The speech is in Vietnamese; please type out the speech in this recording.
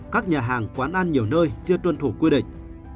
các nhà hàng quán ăn nhiều nơi chưa tuân thủ quy định